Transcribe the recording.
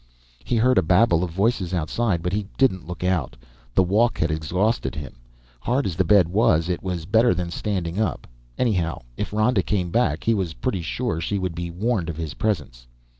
He heard a babble of voices outside, but he didn't look out. The walk had exhausted him. Hard as the bed was, it was better than standing up. Anyhow, if Ronda came back, he was pretty sure she would be warned of his presence.